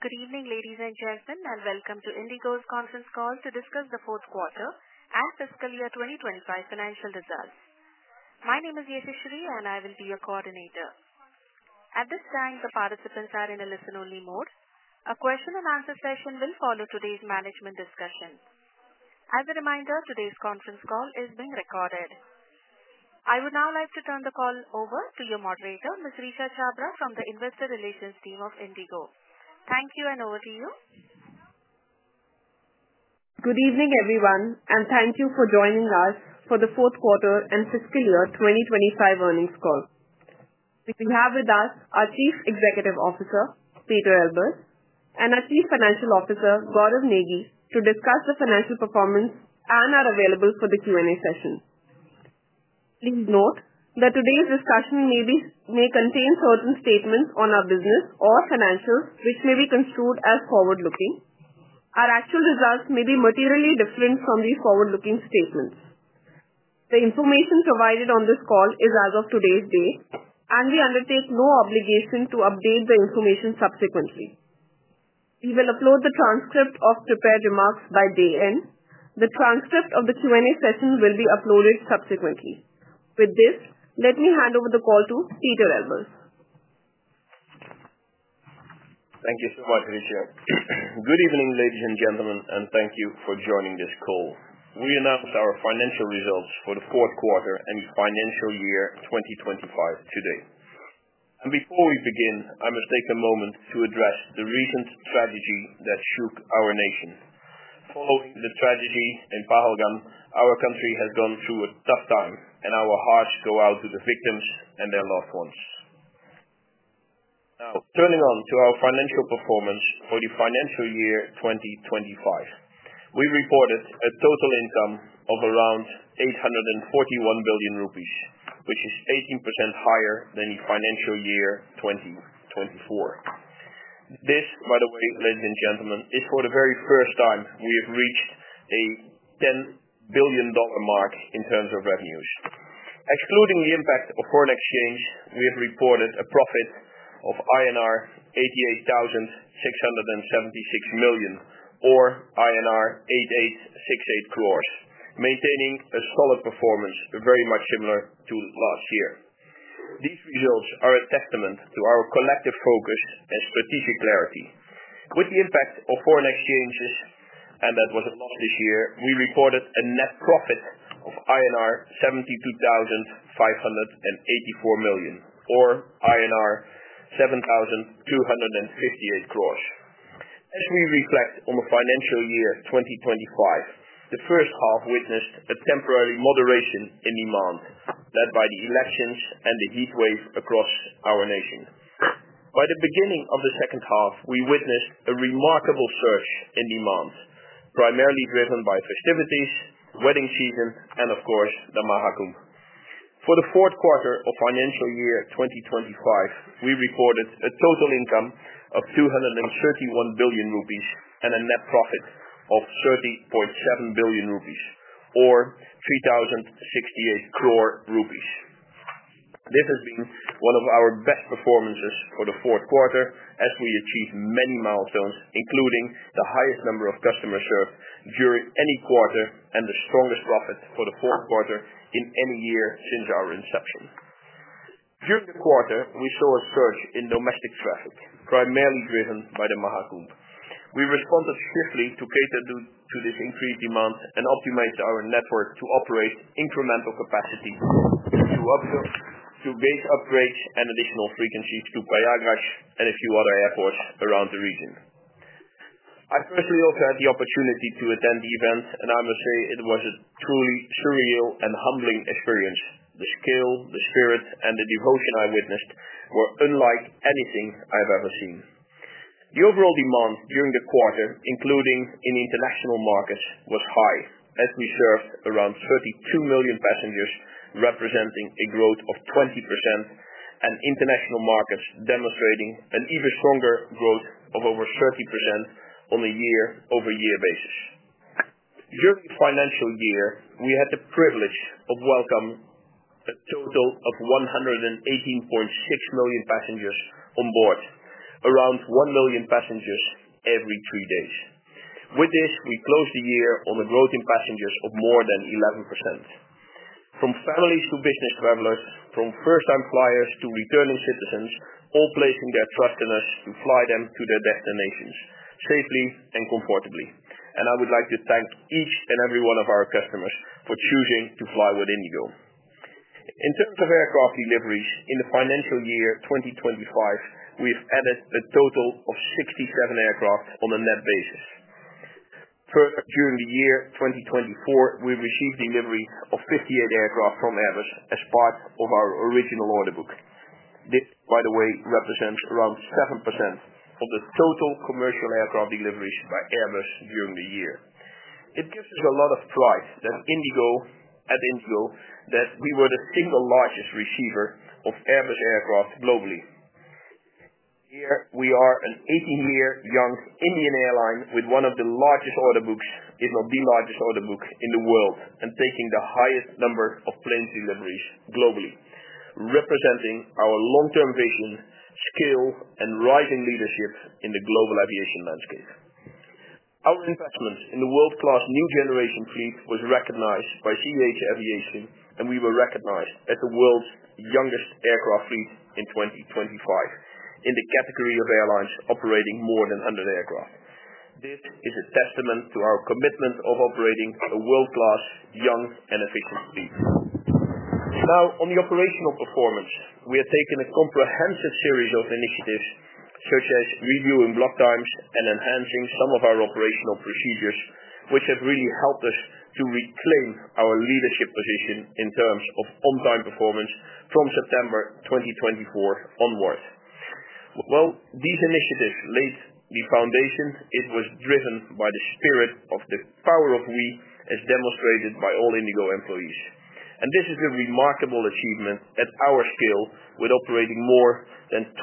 Good evening, ladies and gentlemen, and welcome to IndiGo's conference call to discuss the fourth quarter and fiscal year 2025 financial results. My name is Yeshi Sri, and I will be your coordinator. At this time, the participants are in a listen-only mode. A question-and-answer session will follow today's management discussion. As a reminder, today's conference call is being recorded. I would now like to turn the call over to your moderator, Ms. Richa Chhabra, from the Investor Relations team of IndiGo. Thank you, and over to you. Good evening, everyone, and thank you for joining us for the fourth quarter and fiscal year 2025 earnings call. We have with us our Chief Executive Officer, Pieter Elbers, and our Chief Financial Officer, Gaurav Negi, to discuss the financial performance and are available for the Q&A session. Please note that today's discussion may contain certain statements on our business or financials, which may be construed as forward-looking. Our actual results may be materially different from these forward-looking statements. The information provided on this call is as of today's date, and we undertake no obligation to update the information subsequently. We will upload the transcript of prepared remarks by day end. The transcript of the Q&A session will be uploaded subsequently. With this, let me hand over the call to Pieter Elbers. Thank you so much, Richa. Good evening, ladies and gentlemen, and thank you for joining this call. We announce our financial results for the fourth quarter and financial year 2025 today. Before we begin, I must take a moment to address the recent tragedy that shook our nation. Following the tragedy in Pahalgam, our country has gone through a tough time, and our hearts go out to the victims and their loved ones. Now, turning on to our financial performance for the financial year 2025, we reported a total income of around 841 billion rupees, which is 18% higher than the financial year 2024. This, by the way, ladies and gentlemen, is for the very first time we have reached a $10 billion mark in terms of revenues. Excluding the impact of foreign exchange, we have reported a profit of INR 88,676 million, or INR 8,868 crores, maintaining a solid performance very much similar to last year. These results are a testament to our collective focus and strategic clarity. With the impact of foreign exchange, and that was a loss this year, we reported a net profit of INR 72,584 million, or INR 7,258 crores. As we reflect on the financial year 2025, the first half witnessed a temporary moderation in demand, led by the elections and the heat wave across our nation. By the beginning of the second half, we witnessed a remarkable surge in demand, primarily driven by festivities, wedding season, and, of course, the Maha Kumbh. For the fourth quarter of financial year 2025, we reported a total income of 231 billion rupees and a net profit of 30.7 billion rupees, or 3,068 crores rupees. This has been one of our best performances for the fourth quarter, as we achieved many milestones, including the highest number of customers served during any quarter and the strongest profit for the fourth quarter in any year since our inception. During the quarter, we saw a surge in domestic traffic, primarily driven by the Maha Kumbh. We responded swiftly to cater to this increased demand and optimized our network to operate incremental capacity to gate upgrades and additional frequencies to Prayagraj and a few other airports around the region. I personally also had the opportunity to attend the event, and I must say it was a truly surreal and humbling experience. The scale, the spirit, and the devotion I witnessed were unlike anything I've ever seen. The overall demand during the quarter, including in international markets, was high, as we served around 32 million passengers, representing a growth of 20%, and international markets demonstrating an even stronger growth of over 30% on a year-over-year basis. During the financial year, we had the privilege of welcoming a total of 118.6 million passengers on board, around 1 million passengers every three days. With this, we closed the year on a growth in passengers of more than 11%. From families to business travelers, from first-time flyers to returning citizens, all placing their trust in us to fly them to their destinations safely and comfortably. I would like to thank each and every one of our customers for choosing to fly with IndiGo. In terms of aircraft deliveries, in the financial year 2025, we have added a total of 67 aircraft on a net basis. During the year 2024, we received deliveries of 58 aircraft from Airbus as part of our original order book. This, by the way, represents around 7% of the total commercial aircraft deliveries by Airbus during the year. It gives us a lot of pride at IndiGo that we were the single largest receiver of Airbus aircraft globally. Here we are, an 18-year-young Indian airline with one of the largest order books, if not the largest order book, in the world, and taking the highest number of plane deliveries globally, representing our long-term vision, skill, and rising leadership in the global aviation landscape. Our investment in the world-class new generation fleet was recognized by CH Aviation, and we were recognized as the world's youngest aircraft fleet in 2025 in the category of airlines operating more than 100 aircraft. This is a testament to our commitment of operating a world-class, young, and efficient fleet. Now, on the operational performance, we have taken a comprehensive series of initiatives, such as reviewing block times and enhancing some of our operational procedures, which have really helped us to reclaim our leadership position in terms of on-time performance from September 2024 onward. These initiatives laid the foundation. It was driven by the spirit of the power of we, as demonstrated by all IndiGo employees. This is a remarkable achievement at our scale, with operating more than 2,200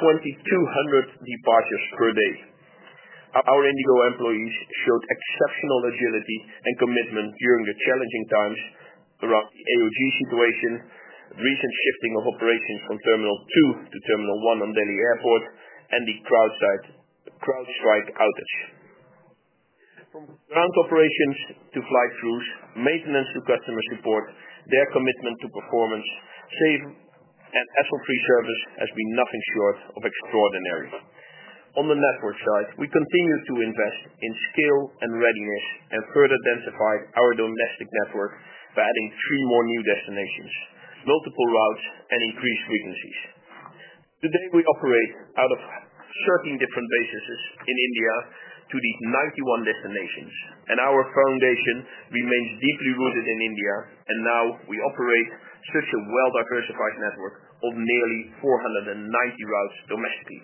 departures per day. Our IndiGo employees showed exceptional agility and commitment during the challenging times around the AOG situation, recent shifting of operations from Terminal 2 to Terminal 1 on Delhi Airport, and the CrowdStrike outage. From ground operations to flight crews, maintenance to customer support, their commitment to performance, safe and hassle-free service has been nothing short of extraordinary. On the network side, we continue to invest in scale and readiness and further densify our domestic network by adding three more new destinations, multiple routes, and increased frequencies. Today, we operate out of 13 different bases in India to these 91 destinations, and our foundation remains deeply rooted in India, and now we operate such a well-diversified network of nearly 490 routes domestically.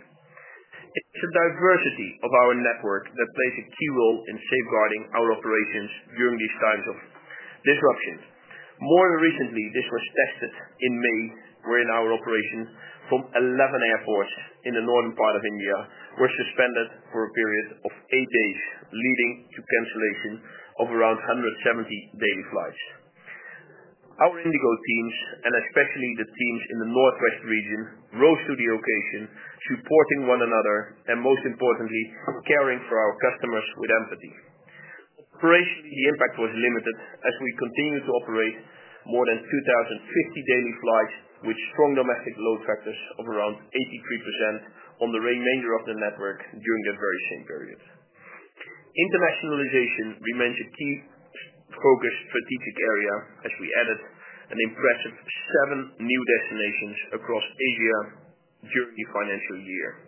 It is a diversity of our network that plays a key role in safeguarding our operations during these times of disruption. More recently, this was tested in May, wherein our operations from 11 airports in the northern part of India were suspended for a period of eight days, leading to cancellation of around 170 daily flights. Our IndiGo teams, and especially the teams in the northwest region, rose to the occasion, supporting one another, and most importantly, caring for our customers with empathy. Operationally, the impact was limited as we continued to operate more than 2,050 daily flights, with strong domestic load factors of around 83% on the remainder of the network during that very same period. Internationalization remains a key focus strategic area as we added an impressive seven new destinations across Asia during the financial year.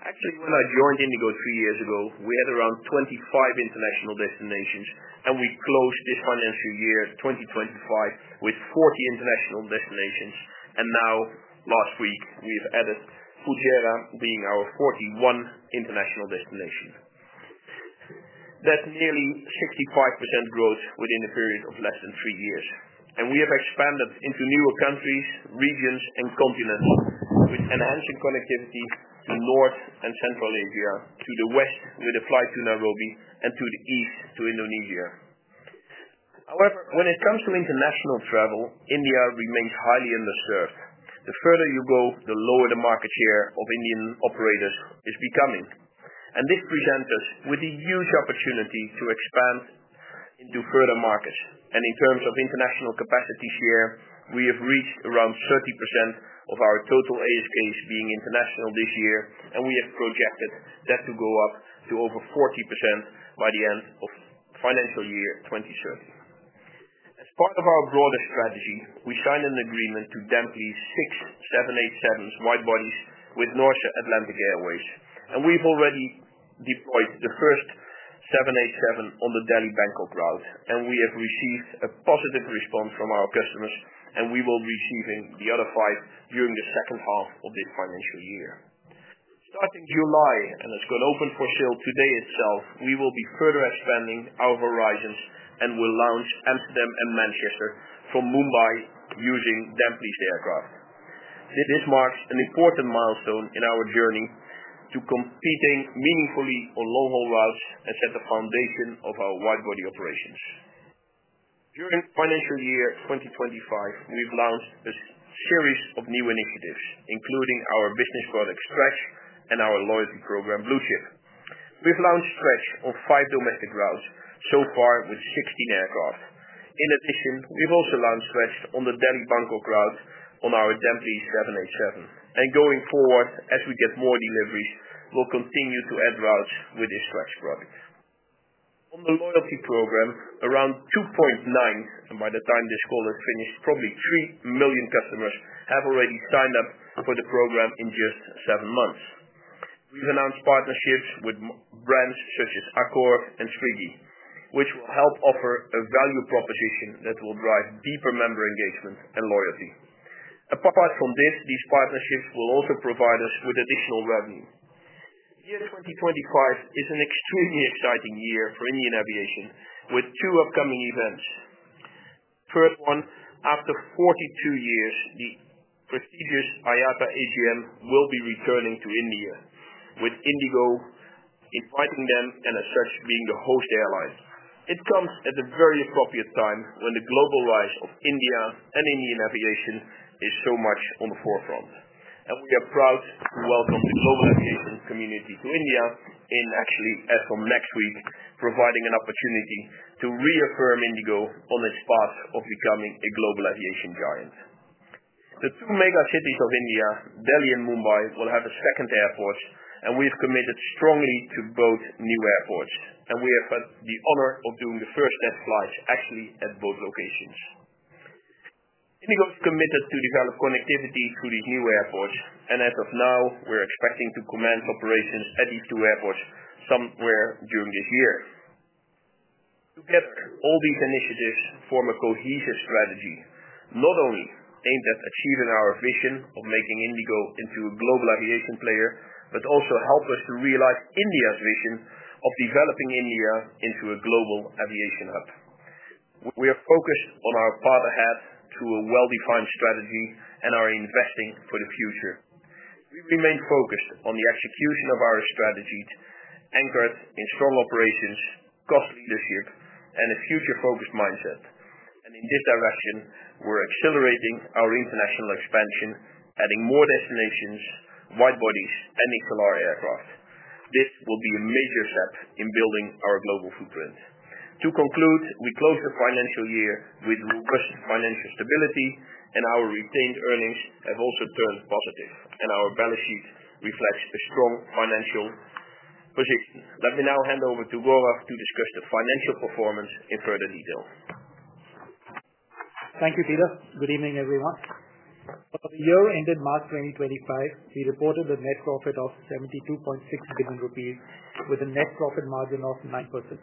Actually, when I joined IndiGo three years ago, we had around 25 international destinations, and we closed this financial year 2025 with 40 international destinations. Now, last week, we have added Pujera, being our 41 international destination. That's nearly 65% growth within a period of less than three years. We have expanded into newer countries, regions, and continents, with enhancing connectivity to North and Central Asia, to the West with a flight to Nairobi, and to the East to Indonesia. However, when it comes to international travel, India remains highly underserved. The further you go, the lower the market share of Indian operators is becoming. This presents us with a huge opportunity to expand into further markets. In terms of international capacity share, we have reached around 30% of our total ASKs being international this year, and we have projected that to go up to over 40% by the end of financial year 2030. As part of our broader strategy, we signed an agreement to damp lease six 787s, wide-bodies, with Norse Atlantic Airways. We have already deployed the first 787 on the Delhi-Bangkok route, and we have received a positive response from our customers, and we will be receiving the other five during the second half of this financial year. Starting July, and it is going open for sale today itself, we will be further expanding our horizons and will launch Amsterdam and Manchester from Mumbai using damp-leased aircraft. This marks an important milestone in our journey to competing meaningfully on long-haul routes and set the foundation of our wide-body operations. During financial year 2025, we have launched a series of new initiatives, including our business product Stretch and our loyalty program, Blue Chip. We have launched Stretch on five domestic routes so far with 16 aircraft. In addition, we have also launched Stretch on the Delhi-Bangkok route on our damp-leased 787. Going forward, as we get more deliveries, we'll continue to add routes with this Stretch product. On the loyalty program, around 2.9 million, and by the time this call is finished, probably 3 million customers have already signed up for the program in just seven months. We've announced partnerships with brands such as Accor and Swiggy, which will help offer a value proposition that will drive deeper member engagement and loyalty. Apart from this, these partnerships will also provide us with additional revenue. The year 2025 is an extremely exciting year for Indian aviation, with two upcoming events. The first one, after 42 years, the prestigious IATA AGM will be returning to India, with IndiGo inviting them and, as such, being the host airline. It comes at a very appropriate time when the global rise of India and Indian aviation is so much on the forefront. We are proud to welcome the global aviation community to India in, actually, as of next week, providing an opportunity to reaffirm IndiGo on its path of becoming a global aviation giant. The two mega cities of India, Delhi and Mumbai, will have a second airport, and we have committed strongly to both new airports. We have had the honor of doing the first test flights, actually, at both locations. IndiGo is committed to develop connectivity through these new airports, and as of now, we're expecting to commence operations at these two airports somewhere during this year. Together, all these initiatives form a cohesive strategy, not only aimed at achieving our vision of making IndiGo into a global aviation player, but also help us to realize India's vision of developing India into a global aviation hub. We are focused on our path ahead through a well-defined strategy and our investing for the future. We remain focused on the execution of our strategy, anchored in strong operations, cost leadership, and a future-focused mindset. In this direction, we're accelerating our international expansion, adding more destinations, wide-bodies, and XLR aircraft. This will be a major step in building our global footprint. To conclude, we closed the financial year with robust financial stability, and our retained earnings have also turned positive, and our balance sheet reflects a strong financial position. Let me now hand over to Gaurav to discuss the financial performance in further detail. Thank you, Pieter. Good evening, everyone. For the year ended March 2025, we reported a net profit of 72.6 billion rupees, with a net profit margin of 9%,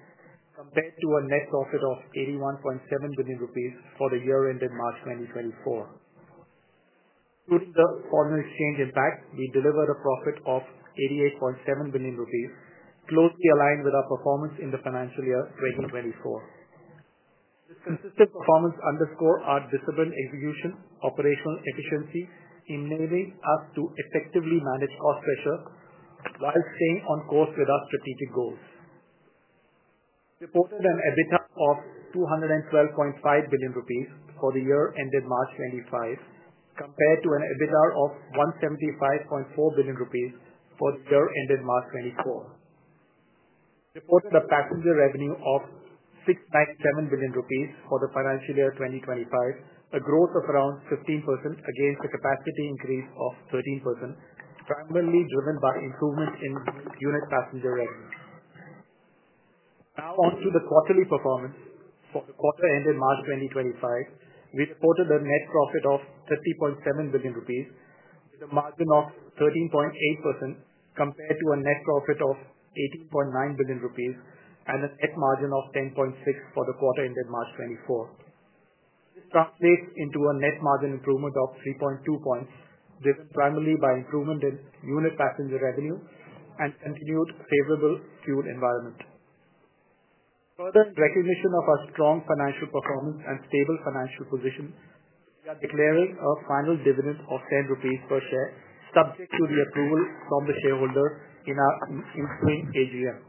compared to a net profit of 81.7 billion rupees for the year ended March 2024. Including the foreign exchange impact, we delivered a profit of 88.7 billion rupees, closely aligned with our performance in the financial year 2024. This consistent performance underscores our disciplined execution, operational efficiency, enabling us to effectively manage cost pressure while staying on course with our strategic goals. We reported an EBITDA of 212.5 billion rupees for the year-ended March 2025, compared to an EBITDA of 175.4 billion rupees for the year-ended March 2024. We reported a passenger revenue of 697 billion rupees for the financial year 2025, a growth of around 15% against a capacity increase of 13%, primarily driven by improvement in unit passenger revenue. Now, on to the quarterly performance. For the quarter-ended March 2025, we reported a net profit of 30.7 billion rupees, with a margin of 13.8%, compared to a net profit of 18.9 billion rupees and a net margin of 10.6% for the quarter-ended March 2024. This translates into a net margin improvement of 3.2 percentage points, driven primarily by improvement in unit passenger revenue and continued favorable fuel environment. Further recognition of our strong financial performance and stable financial position, we are declaring a final dividend of 10 rupees per share, subject to the approval from the shareholder in our incoming AGM.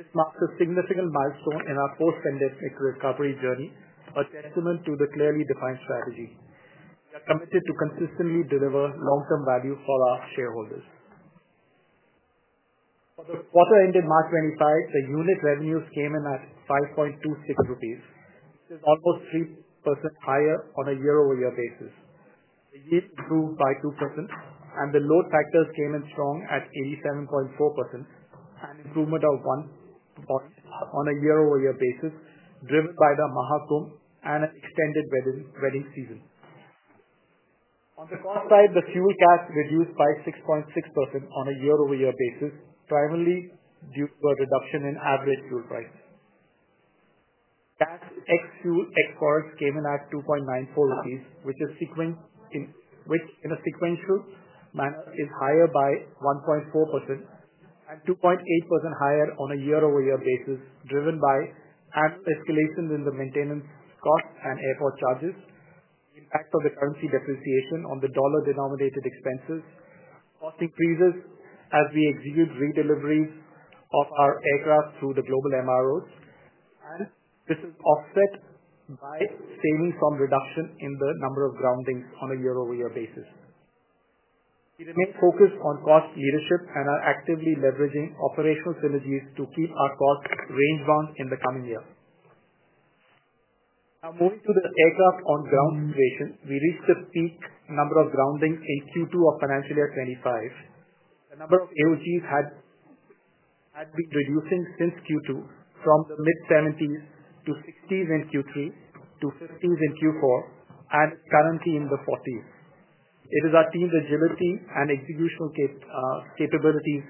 This marks a significant milestone in our post-pandemic recovery journey, a testament to the clearly defined strategy. We are committed to consistently deliver long-term value for our shareholders. For the quarter-ended March 2025, the unit revenues came in at 5.26 rupees, which is almost 3% higher on a year-over-year basis. The yield improved by 2%, and the load factors came in strong at 87.4%, an improvement of 1% on a year-over-year basis, driven by the Maha Kumbh and an extended wedding season. On the cost side, the fuel caps reduced by 6.6% on a year-over-year basis, primarily due to a reduction in average fuel price. INR 2.94 cash ex-fuel exports came in, which, in a sequential manner, is higher by 1.4% and 2.8% higher on a year-over-year basis, driven by annual escalations in the maintenance costs and airport charges, the impact of the currency depreciation on the dollar-denominated expenses, cost increases as we execute redeliveries of our aircraft through the global MROs, and this is offset by savings from reduction in the number of groundings on a year-over-year basis. We remain focused on cost leadership and are actively leveraging operational synergies to keep our costs range-bound in the coming year. Now, moving to the aircraft on-ground situation, we reached the peak number of groundings in Q2 of financial year 2025. The number of AOGs had been reducing since Q2, from the mid-70s to 60s in Q3 to 50s in Q4, and currently in the 40s. It is our team's agility and executional capabilities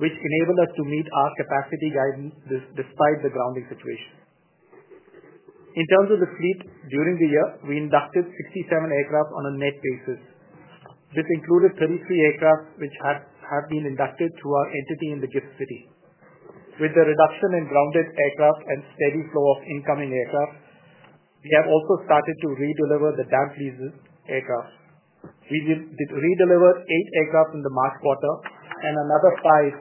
which enable us to meet our capacity guidance despite the grounding situation. In terms of the fleet, during the year, we inducted 67 aircraft on a net basis. This included 33 aircraft which have been inducted through our entity in the GIFT City. With the reduction in grounded aircraft and steady flow of incoming aircraft, we have also started to redeliver the damp-leased aircraft. We redelivered eight aircraft in the March quarter and another five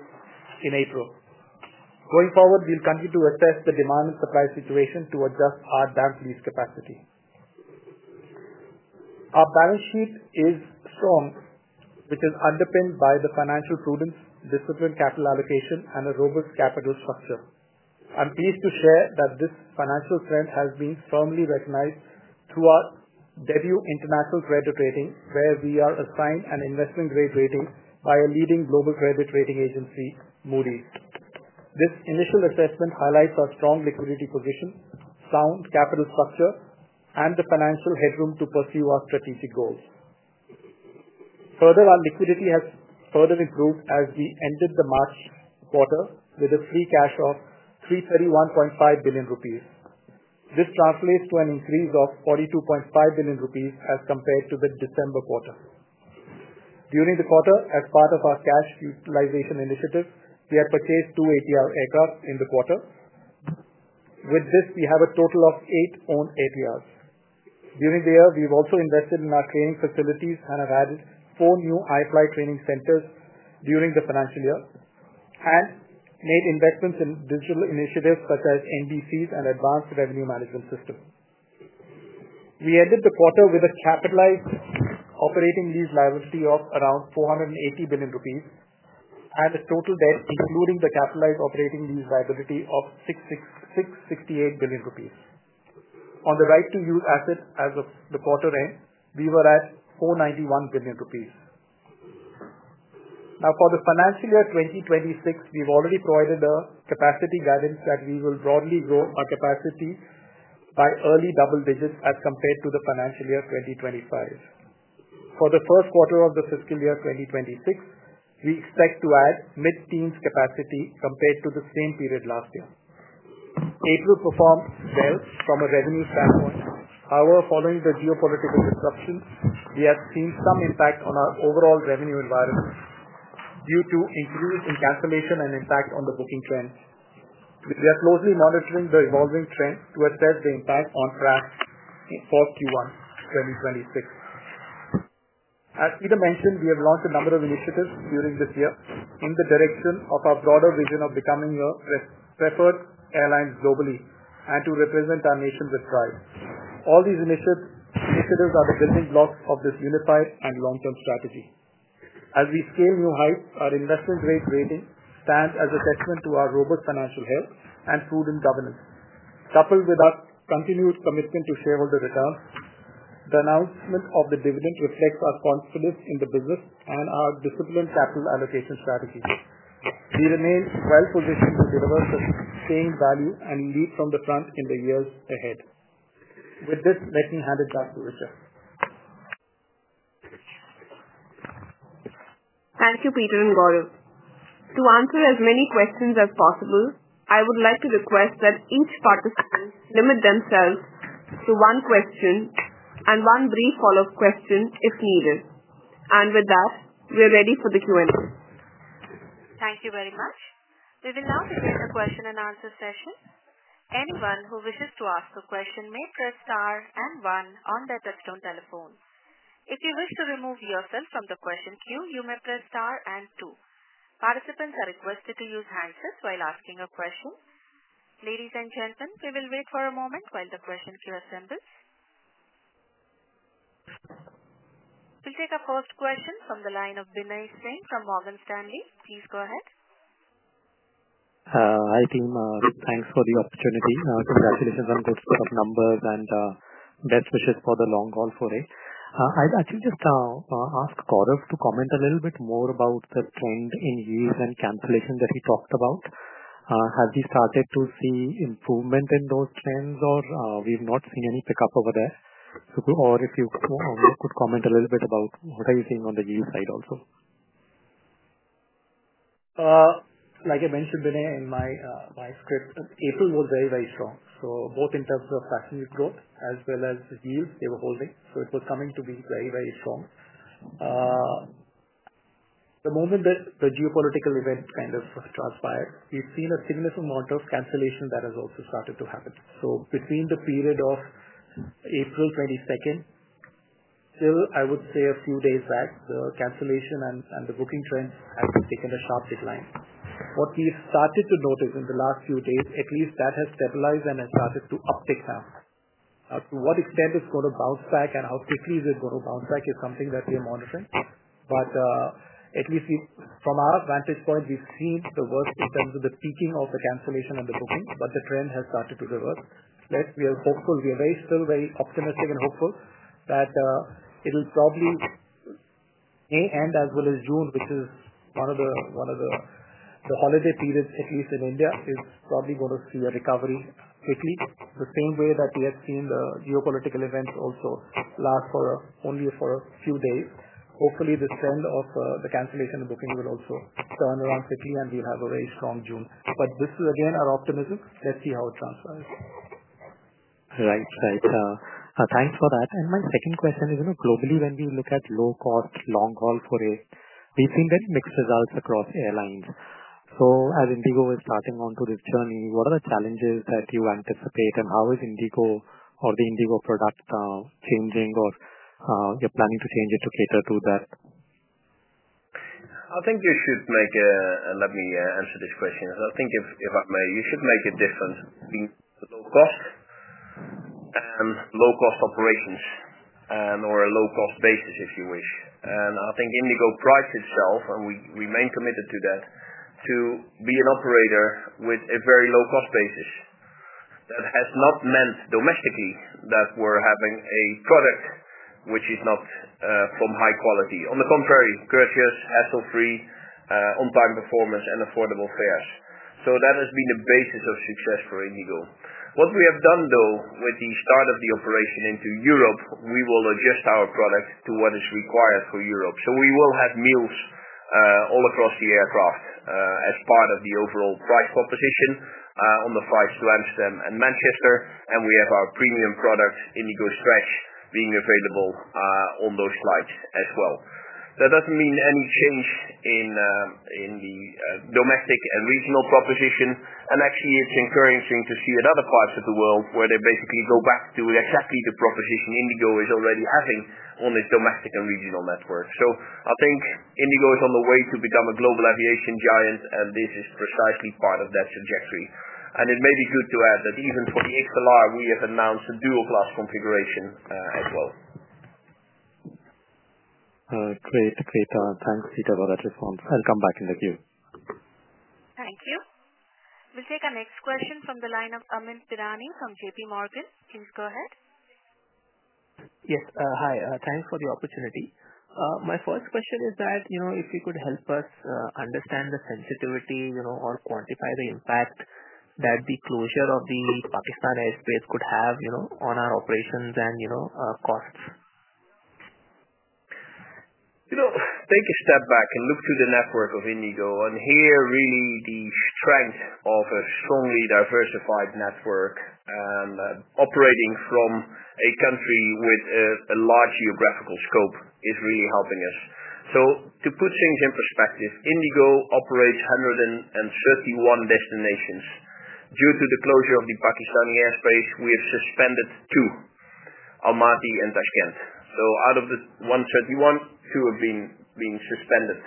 in April. Going forward, we'll continue to assess the demand and supply situation to adjust our damp-leased capacity. Our balance sheet is strong, which is underpinned by the financial prudence, disciplined capital allocation, and a robust capital structure. I'm pleased to share that this financial strength has been firmly recognized through our debut international credit rating, where we are assigned an investment-grade rating by a leading global credit rating agency, Moody's. This initial assessment highlights our strong liquidity position, sound capital structure, and the financial headroom to pursue our strategic goals. Further, our liquidity has further improved as we ended the March quarter with a free cash of 31.5 billion rupees. This translates to an increase of 42.5 billion rupees as compared to the December quarter. During the quarter, as part of our cash utilization initiative, we have purchased two ATR aircraft in the quarter. With this, we have a total of eight owned ATRs. During the year, we've also invested in our training facilities and have added four new iFly training centers during the financial year and made investments in digital initiatives such as NDC and advanced revenue management systems. We ended the quarter with a capitalized operating lease liability of around 480 billion rupees and a total debt, including the capitalized operating lease liability, of 668 billion rupees. On the right-to-use asset as of the quarter end, we were at 491 billion rupees. Now, for the financial year 2026, we've already provided a capacity guidance that we will broadly grow our capacity by early double digits as compared to the financial year 2025. For the first quarter of the fiscal year 2026, we expect to add mid-teens capacity compared to the same period last year. April performed well from a revenue standpoint. However, following the geopolitical disruption, we have seen some impact on our overall revenue environment due to increased cancellation and impact on the booking trend. We are closely monitoring the evolving trend to assess the impact on track for Q1 2026. As Pieter mentioned, we have launched a number of initiatives during this year in the direction of our broader vision of becoming a preferred airline globally and to represent our nation with pride. All these initiatives are the building blocks of this unified and long-term strategy. As we scale new heights, our investment-grade rating stands as a testament to our robust financial health and prudent governance. Coupled with our continued commitment to shareholder returns, the announcement of the dividend reflects our confidence in the business and our disciplined capital allocation strategy. We remain well-positioned to deliver sustained value and lead from the front in the years ahead. With this, let me hand it back to Richa. Thank you, Pieter and Gaurav. To answer as many questions as possible, I would like to request that each participant limit themselves to one question and one brief follow-up question if needed. With that, we are ready for the Q&A. Thank you very much. We will now begin the question and answer session. Anyone who wishes to ask a question may press star and one on their touch-tone telephone. If you wish to remove yourself from the question queue, you may press star and two. Participants are requested to use handsets while asking a question. Ladies and gentlemen, we will wait for a moment while the question queue assembles. We'll take our first question from the line of Binay Singh from Morgan Stanley. Please go ahead. Hi team. Thanks for the opportunity. Congratulations on good set of numbers and best wishes for the long haul foray. I'd actually just ask Gaurav to comment a little bit more about the trend in yields and cancellation that he talked about. Have we started to see improvement in those trends, or we've not seen any pickup over there? If you could comment a little bit about what are you seeing on the yield side also? Like I mentioned, Binay, in my script, April was very, very strong. Both in terms of passenger growth as well as yields, they were holding. It was coming to be very, very strong. The moment that the geopolitical event kind of transpired, we've seen a significant amount of cancellation that has also started to happen. Between the period of April 22nd till, I would say, a few days back, the cancellation and the booking trends have taken a sharp decline. What we've started to notice in the last few days, at least, is that has stabilized and has started to uptick now. To what extent it's going to bounce back and how quickly is it going to bounce back is something that we are monitoring. At least from our vantage point, we've seen the worst in terms of the peaking of the cancellation and the booking, but the trend has started to reverse. We are hopeful. We are still very optimistic and hopeful that it'll probably may end as well as June, which is one of the holiday periods, at least in India, is probably going to see a recovery quickly, the same way that we have seen the geopolitical events also last for only a few days. Hopefully, the trend of the cancellation and booking will also turn around quickly, and we'll have a very strong June. This is, again, our optimism. Let's see how it transpires. Right, right. Thanks for that. My second question is, globally, when we look at low-cost long-haul foray, we've seen very mixed results across airlines. As IndiGo is starting onto this journey, what are the challenges that you anticipate, and how is IndiGo or the IndiGo product changing, or you're planning to change it to cater to that? I think you should make a—let me answer this question. I think, if I may, you should make a difference between low-cost and low-cost operations or a low-cost basis, if you wish. I think IndiGo prides itself, and we remain committed to that, to be an operator with a very low-cost basis. That has not meant domestically that we're having a product which is not from high quality. On the contrary, courteous, hassle-free, on-time performance, and affordable fares. That has been the basis of success for IndiGo. What we have done, though, with the start of the operation into Europe, we will adjust our product to what is required for Europe. We will have meals all across the aircraft as part of the overall price proposition on the flights to Amsterdam and Manchester, and we have our premium product, IndiGo Stretch, being available on those flights as well. That does not mean any change in the domestic and regional proposition, and actually, it is encouraging to see at other parts of the world where they basically go back to exactly the proposition IndiGo is already having on its domestic and regional network. I think IndiGo is on the way to become a global aviation giant, and this is precisely part of that trajectory. It may be good to add that even for the XLR, we have announced a dual-class configuration as well. Great, great. Thanks, Pieter, for that response. I'll come back in the queue. Thank you. We'll take our next question from the line of Amyn Pirani from JPMorgan. Please go ahead. Yes. Hi. Thanks for the opportunity. My first question is that if you could help us understand the sensitivity or quantify the impact that the closure of the Pakistan airspace could have on our operations and costs. Take a step back and look to the network of IndiGo and here really the strength of a strongly diversified network, and operating from a country with a large geographical scope is really helping us. To put things in perspective, IndiGo operates 131 destinations. Due to the closure of the Pakistani airspace, we have suspended two, Almaty and Tashkent. Out of the 131, two have been suspended.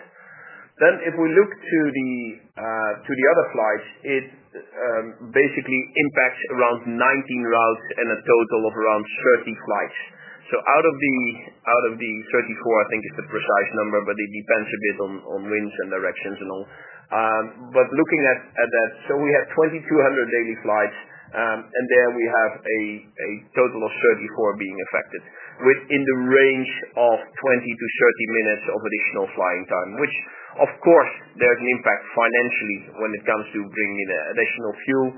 If we look to the other flights, it basically impacts around 19 routes and a total of around 30 flights. Out of the 34, I think is the precise number, but it depends a bit on winds and directions and all. Looking at that, we have 2,200 daily flights, and there we have a total of 34 being affected within the range of 20-30 minutes of additional flying time, which, of course, there's an impact financially when it comes to bringing in additional fuel.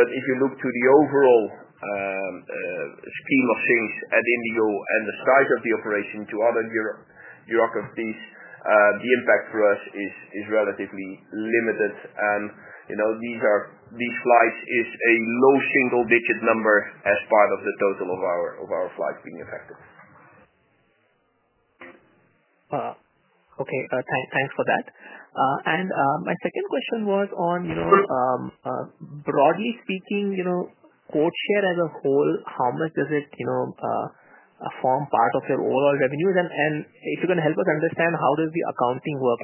If you look to the overall scheme of things at IndiGo and the size of the operation to other bureaucracies, the impact for us is relatively limited. These flights is a low single-digit number as part of the total of our flights being affected. Okay. Thanks for that. My second question was on, broadly speaking, codeshare as a whole, how much does it form part of your overall revenues? If you can help us understand how does the accounting work,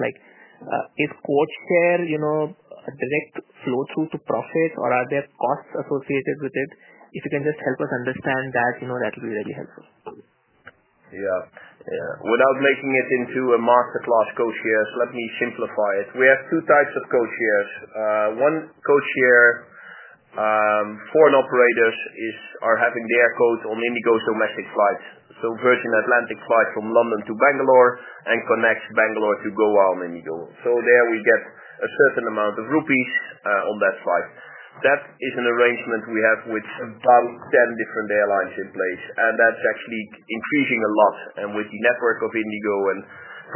is codeshare a direct flow-through to profit, or are there costs associated with it? If you can just help us understand that, that would be really helpful. Yeah. Without making it into a masterclass, codeshares, let me simplify it. We have two types of codeshares. One, codeshare foreign operators are having their code on IndiGo's domestic flights. Virgin Atlantic flight from London to Bangalore and connects Bangalore to Goa on IndiGo. There we get a certain amount of INR on that flight. That is an arrangement we have with about 10 different airlines in place, and that is actually increasing a lot. With the network of IndiGo and,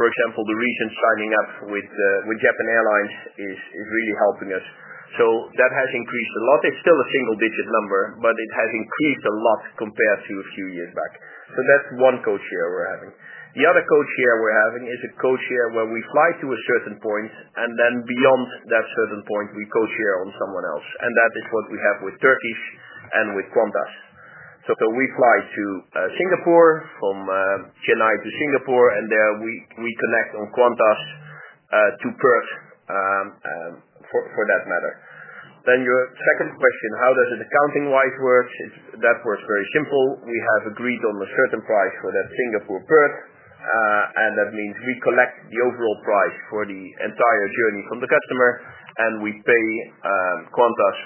for example, the recent signing up with Japan Airlines is really helping us. That has increased a lot. It's still a single-digit number, but it has increased a lot compared to a few years back. That's one codeshare we're having. The other codeshare we're having is a codeshare where we fly to a certain point, and then beyond that certain point, we codeshare on someone else. That is what we have with Turkish and with Qantas. We fly to Singapore from Chennai to Singapore, and there we connect on Qantas to Perth for that matter. Your second question, how does it accounting-wise work? That works very simple. We have agreed on a certain price for that Singapore-Perth, and that means we collect the overall price for the entire journey from the customer, and we pay Qantas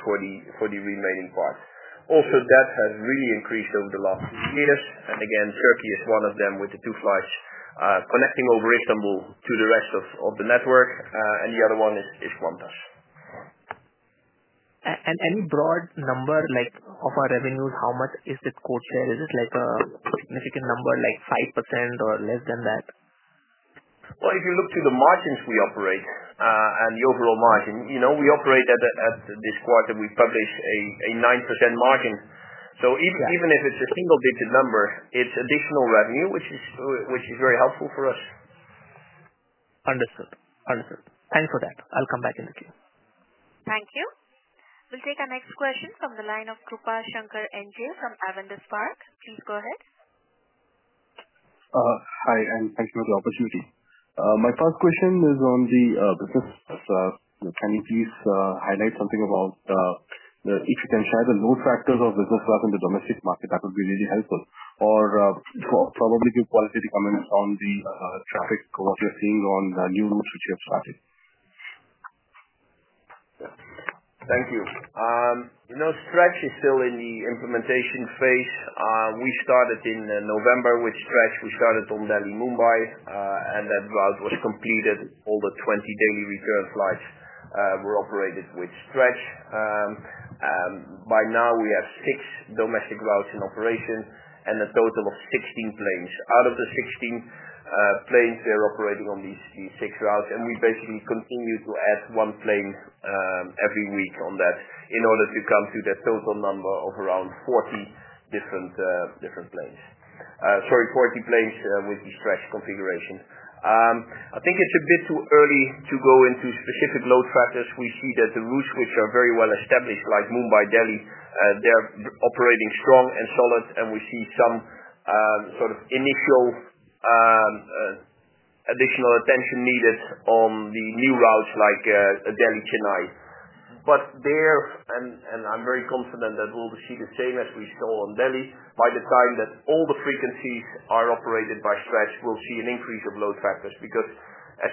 for the remaining part. Also, that has really increased over the last few years. Again, Turkey is one of them with the two flights connecting over Istanbul to the rest of the network, and the other one is Qantas. Any broad number of our revenues, how much is the codeshare? Is it a significant number, like 5% or less than that? If you look to the margins we operate and the overall margin, we operate at this quarter, we publish a 9% margin. Even if it's a single-digit number, it's additional revenue, which is very helpful for us. Understood. Understood. Thanks for that. I'll come back in the queue. Thank you. We'll take our next question from the line of Krupashankar, NJ, from Avendus Spark. Please go ahead. Hi, and thank you for the opportunity. My first question is on the business. Can you please highlight something about if you can share the load factors of businesses in the domestic market? That would be really helpful. Or probably give quality comments on the traffic, what you're seeing on new routes which you have started. Thank you. Stretch is still in the implementation phase. We started in November with Stretch. We started on Delhi-Mumbai, and that route was completed. All the 20 daily return flights were operated with Stretch. By now, we have six domestic routes in operation and a total of 16 planes. Out of the 16 planes, they're operating on these six routes, and we basically continue to add one plane every week on that in order to come to the total number of around 40 different planes. Sorry, 40 planes with the Stretch configuration. I think it's a bit too early to go into specific load factors. We see that the routes which are very well established, like Mumbai-Delhi, they're operating strong and solid, and we see some sort of initial additional attention needed on the new routes like Delhi-Chennai. There, and I'm very confident that we'll see the same as we saw on Delhi, by the time that all the frequencies are operated by Stretch, we'll see an increase of load factors because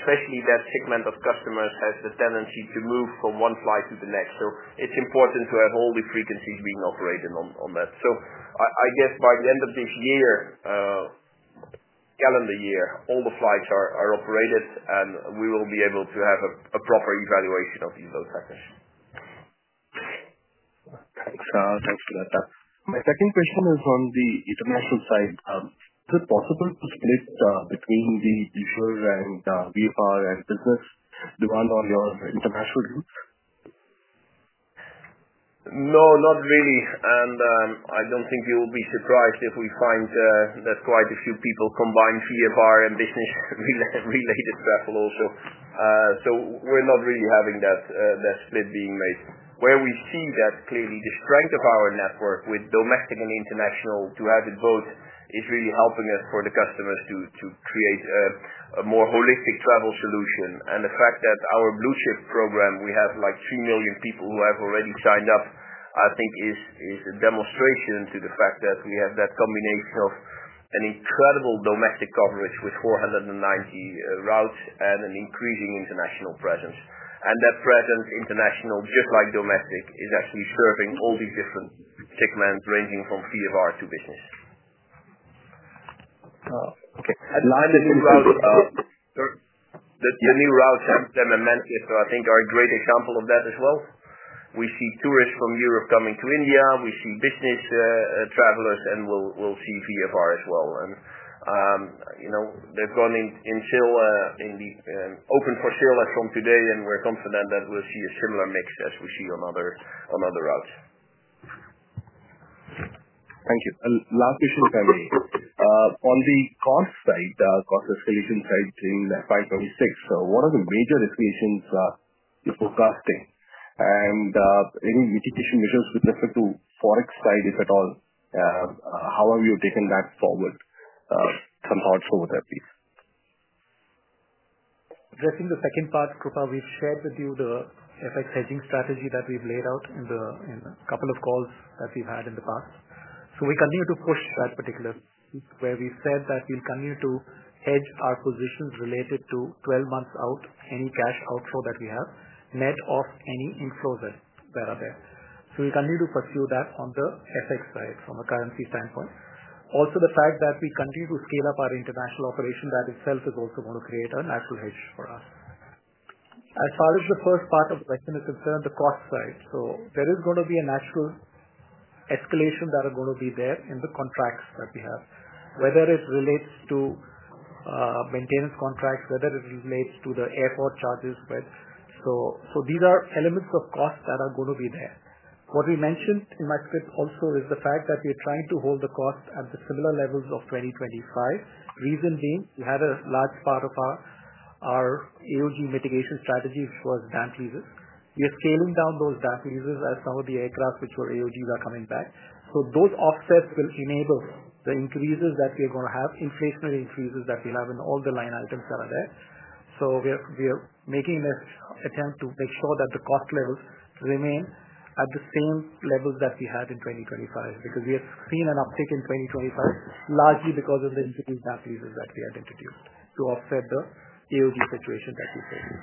especially that segment of customers has the tendency to move from one flight to the next. It's important to have all the frequencies being operated on that. I guess by the end of this calendar year, all the flights are operated, and we will be able to have a proper evaluation of these load factors. Thanks for that. My second question is on the international side. Is it possible to split between the usual and VFR and business demand on your international routes? No, not really. I do not think you will be surprised if we find that quite a few people combine VFR and business-related travel also. We are not really having that split being made. Where we see that clearly, the strength of our network with domestic and international, to have it both, is really helping us for the customers to create a more holistic travel solution. The fact that our Blue Chip program, we have like 3 million people who have already signed up, I think is a demonstration to the fact that we have that combination of an incredible domestic coverage with 490 routes and an increasing international presence. That presence, international, just like domestic, is actually serving all these different segments ranging from VFR to business. The new routes, Amsterdam and Manchester, I think are a great example of that as well. We see tourists from Europe coming to India. We see business travelers, and we will see VFR as well. They have gone in sale, in the open for sale from today, and we are confident that we will see a similar mix as we see on other routes. Thank you. Last question, if I may. On the cost side, cost escalation side in 2026, what are the major escalations you are forecasting? Any mitigation measures with respect to forex side, if at all? How have you taken that forward? Some thoughts over that, please. Addressing the second part, Krupar, we have shared with you the FX hedging strategy that we have laid out in a couple of calls that we have had in the past. We continue to push that particular piece where we said that we'll continue to hedge our positions related to 12 months out, any cash outflow that we have, net of any inflows that are there. We continue to pursue that on the FX side from a currency standpoint. Also, the fact that we continue to scale up our international operation, that itself is also going to create a natural hedge for us. As far as the first part of the question is concerned, the cost side. There is going to be a natural escalation that is going to be there in the contracts that we have, whether it relates to maintenance contracts, whether it relates to the airport charges. These are elements of cost that are going to be there. What we mentioned in my script also is the fact that we're trying to hold the cost at the similar levels of 2025. Reason being, we had a large part of our AOG mitigation strategy, which was damp leases. We are scaling down those damp leases as some of the aircraft, which were AOGs, are coming back. Those offsets will enable the increases that we are going to have, inflationary increases that we have in all the line items that are there. We are making an attempt to make sure that the cost levels remain at the same levels that we had in 2025 because we have seen an uptick in 2025, largely because of the increased damp leases that we had introduced to offset the AOG situation that we faced.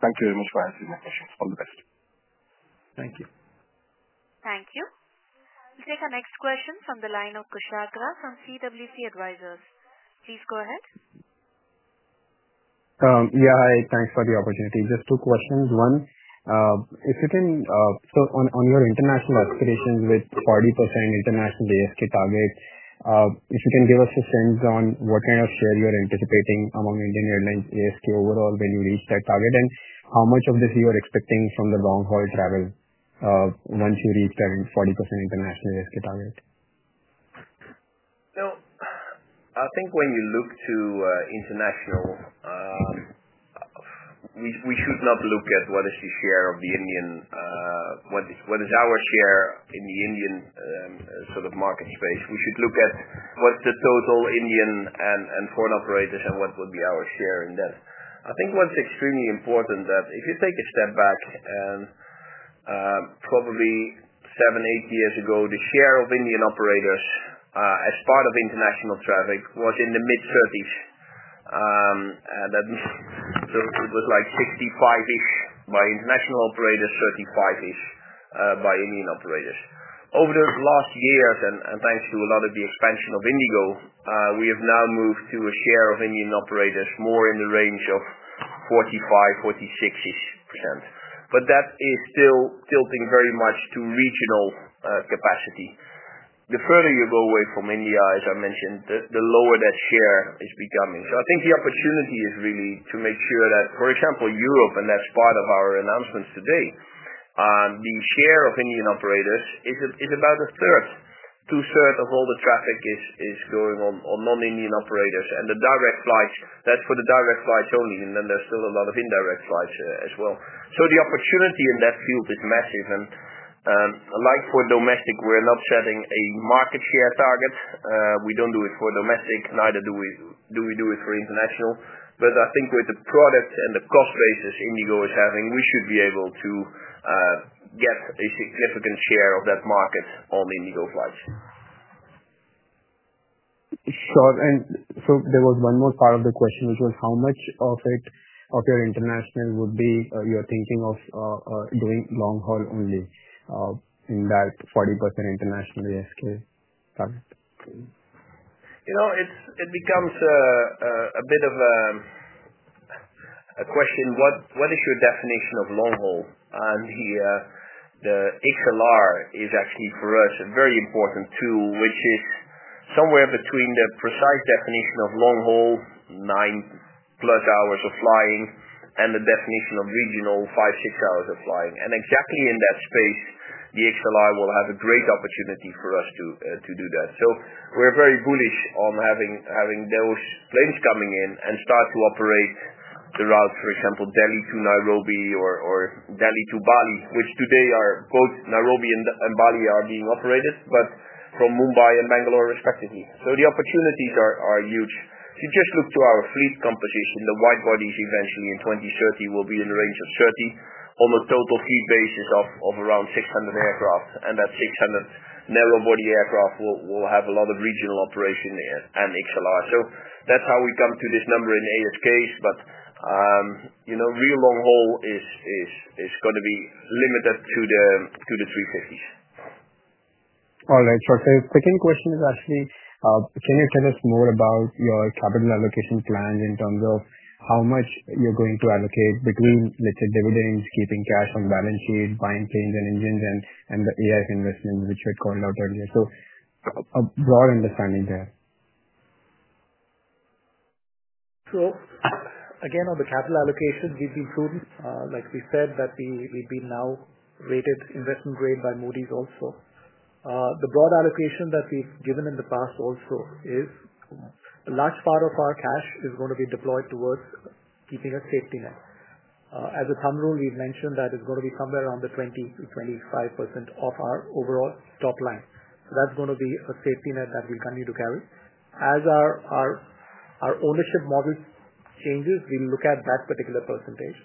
Thank you very much forline answering my questions. All the best. Thank you. Thank you. We'll take our next question from the of Kushagra from CWC Advisors. Please go ahead. Yeah. Hi. Thanks for the opportunity. Just two questions. One, if you can, so on your international expeditions with 40% international ASK target, if you can give us a sense on what kind of share you're anticipating among Indian Airlines ASK overall when you reach that target, and how much of this you're expecting from the long-haul travel once you reach that 40% international ASK target? I think when you look to international, we should not look at what is the share of the Indian, what is our share in the Indian sort of market space. We should look at what's the total Indian and foreign operators and what would be our share in that. I think what's extremely important is that if you take a step back, probably seven, eight years ago, the share of Indian operators as part of international traffic was in the mid-30%. It was like 65% by international operators, 35% by Indian operators. Over the last years, and thanks to a lot of the expansion of IndiGo, we have now moved to a share of Indian operators more in the range of 45%-46%. That is still tilting very much to regional capacity. The further you go away from India, as I mentioned, the lower that share is becoming. I think the opportunity is really to make sure that, for example, Europe, and that's part of our announcements today, the share of Indian operators is about a third. Two-thirds of all the traffic is going on non-Indian operators. The direct flights, that's for the direct flights only, and then there's still a lot of indirect flights as well. The opportunity in that field is massive. Like for domestic, we're not setting a market share target. We do not do it for domestic, neither do we do it for international. I think with the product and the cost basis IndiGo is having, we should be able to get a significant share of that market on IndiGo flights. Sure. There was one more part of the question, which was how much of your international would be, you're thinking of doing long-haul only in that 40% international ASK target? It becomes a bit of a question. What is your definition of long-haul? The XLR is actually for us a very important tool, which is somewhere between the precise definition of long-haul, 9-plus hours of flying, and the definition of regional, 5-6 hours of flying. Exactly in that space, the XLR will have a great opportunity for us to do that. We are very bullish on having those planes coming in and start to operate the routes, for example, Delhi to Nairobi or Delhi to Bali, which today are both Nairobi and Bali are being operated, but from Mumbai and Bangalore respectively. The opportunities are huge. If you just look to our fleet composition, the wide bodies eventually in 2030 will be in the range of 30 on a total fleet basis of around 600 aircraft. That 600 narrow-body aircraft will have a lot of regional operation and XLR. That's how we come to this number in ASKs, but real long-haul is going to be limited to the 350s. All right. Sure. The second question is actually, can you tell us more about your capital allocation plan in terms of how much you're going to allocate between, let's say, dividends, keeping cash on balance sheet, buying planes and engines, and the AIP investments, which we had called out earlier? A broad understanding there. Again, on the capital allocation, we've been proven, like we said, that we've been now rated investment-grade by Moody's also. The broad allocation that we've given in the past also is a large part of our cash is going to be deployed towards keeping a safety net. As a thumb rule, we've mentioned that it's going to be somewhere around the 20-25% of our overall top line. That's going to be a safety net that we continue to carry. As our ownership model changes, we look at that particular percentage.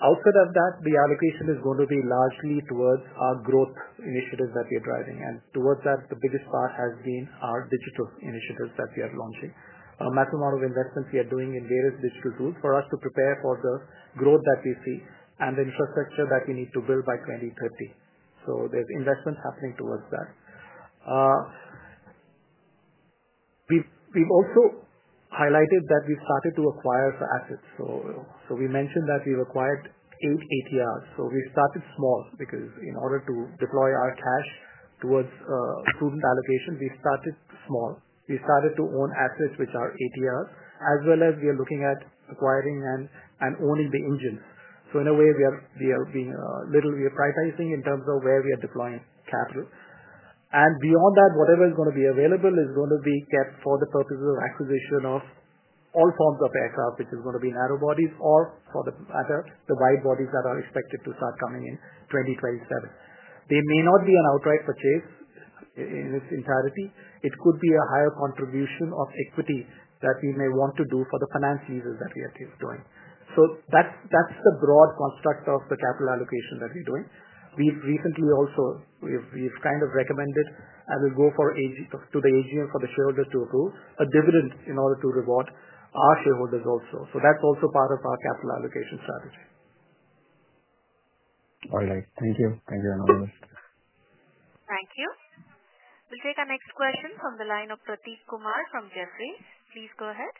Outside of that, the allocation is going to be largely towards our growth initiatives that we are driving. Towards that, the biggest part has been our digital initiatives that we are launching, massive amount of investments we are doing in various digital tools for us to prepare for the growth that we see and the infrastructure that we need to build by 2030. There's investments happening towards that. We've also highlighted that we've started to acquire assets. We mentioned that we've acquired eight ATRs. We started small because in order to deploy our cash towards student allocation, we started small. We started to own assets, which are ATRs, as well as we are looking at acquiring and owning the engines. In a way, we are being a little, we are prioritizing in terms of where we are deploying capital. Beyond that, whatever is going to be available is going to be kept for the purposes of acquisition of all forms of aircraft, which is going to be narrow bodies or for the wide bodies that are expected to start coming in 2027. They may not be an outright purchase in its entirety. It could be a higher contribution of equity that we may want to do for the finance leases that we are doing. That is the broad construct of the capital allocation that we are doing. We have recently also, we have kind of recommended, and we will go to the AGM for the shareholders to approve, a dividend in order to reward our shareholders also. That is also part of our capital allocation strategy. All right. Thank you. Thank you very much. Thank you. We'll take our next question from the line of Prateek Kumar from Jefferies. Please go ahead.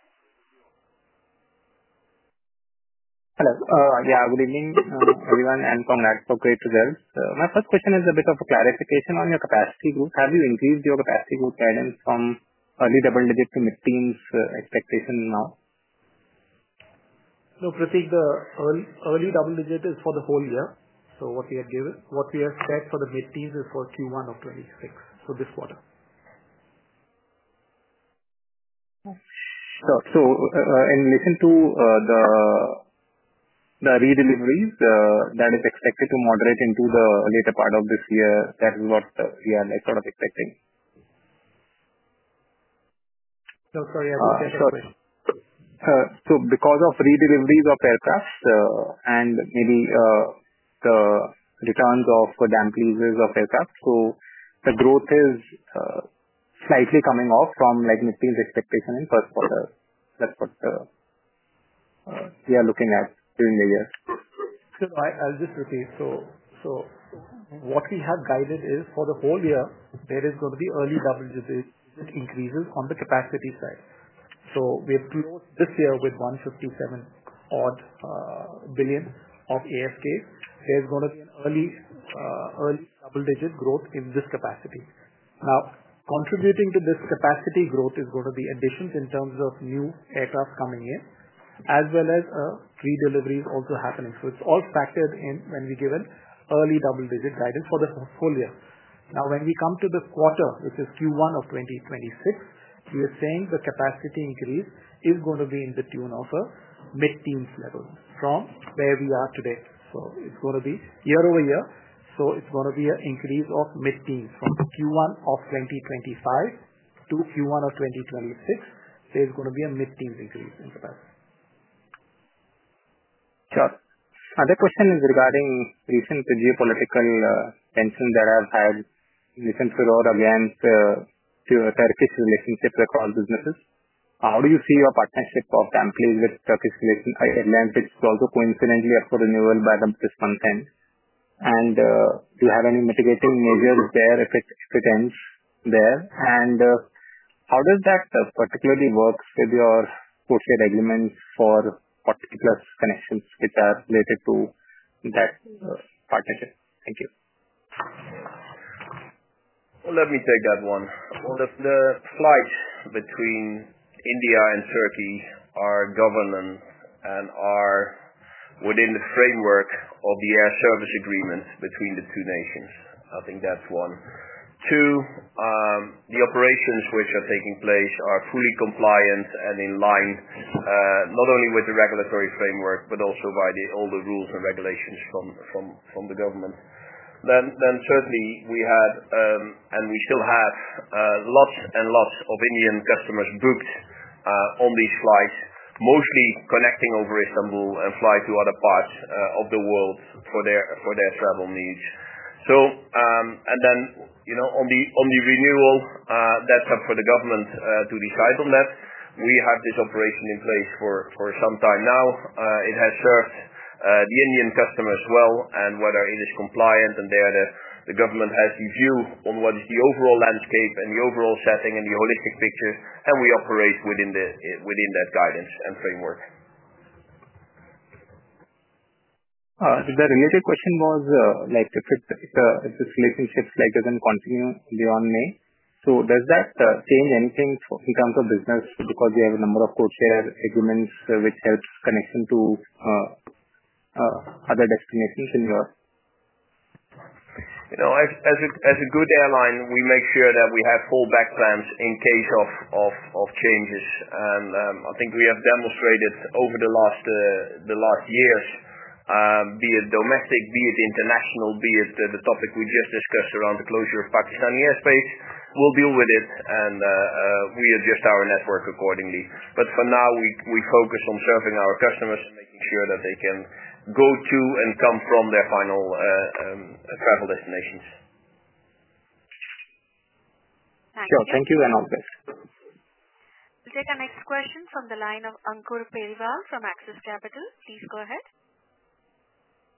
Hello. Yeah. Good evening, everyone, and congrats for great results. My first question is a bit of a clarification on your capacity growth. Have you increased your capacity growth guidance from early double-digit to mid-teens expectation now? No, Prateek, the early double-digit is for the whole year. What we have set for the mid-teens is for Q1 of 2026, this quarter. Sure. In relation to the redeliveries that is expected to moderate into the later part of this year, that is what we are sort of expecting. No, sorry. I didn't catch your question. Because of redeliveries of aircraft and maybe the returns of damp leases of aircraft, the growth is slightly coming off from mid-teens expectation in first quarter. That's what we are looking at during the year. I'll just repeat. What we have guided is for the whole year, there is going to be early double-digit increases on the capacity side. We have closed this year with 157-odd billion of ASK. There is going to be an early double-digit growth in this capacity. Now, contributing to this capacity growth is going to be additions in terms of new aircraft coming in, as well as redeliveries also happening. It is all factored in when we give an early double-digit guidance for the portfolio. Now, when we come to the quarter, which is Q1 of 2026, we are saying the capacity increase is going to be in the tune of a mid-teens level from where we are today. It is going to be year-over-year. It's going to be an increase of mid-teens from Q1 of 2025 to Q1 of 2026. There's going to be a mid-teens increase in capacity. Sure. Another question is regarding recent geopolitical tensions that have had recent furore against Turkish relationships across businesses. How do you see your partnership of damp lease with Turkish Airlines, which is also coincidentally up for renewal by the British content? Do you have any mitigating measures there if it ends there? How does that particularly work with your codeshare agreements for particular connections which are related to that partnership? Thank you. Let me take that one. The flights between India and Turkey are governance and are within the framework of the air service agreements between the two nations. I think that's one. Two, the operations which are taking place are fully compliant and in line not only with the regulatory framework, but also by all the rules and regulations from the government. Certainly, we had and we still have lots and lots of Indian customers booked on these flights, mostly connecting over Istanbul and flying to other parts of the world for their travel needs. On the renewal, that's up for the government to decide on that. We have this operation in place for some time now. It has served the Indian customers well and whether it is compliant and the government has the view on what is the overall landscape and the overall setting and the holistic picture, and we operate within that guidance and framework. The related question was if this relationship doesn't continue beyond May. Does that change anything in terms of business because you have a number of codeshare agreements which help connection to other destinations in Europe? As a good airline, we make sure that we have full back plans in case of changes. I think we have demonstrated over the last years, be it domestic, be it international, be it the topic we just discussed around the closure of Pakistani airspace, we will deal with it and we adjust our network accordingly. For now, we focus on serving our customers and making sure that they can go to and come from their final travel destinations. Thank you. Thank you. We will take our next question from the line of Ankur Periwal from Axis Capital. Please go ahead.